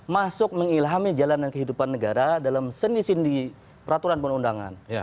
masuk mengilhami jalanan kehidupan negara dalam sendi sendi peraturan perundangan